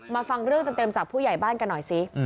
ฟังเรื่องเต็มจากผู้ใหญ่บ้านกันหน่อยสิ